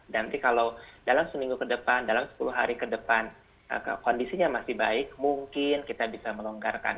nanti kalau dalam seminggu ke depan dalam sepuluh hari ke depan kondisinya masih baik mungkin kita bisa melonggarkan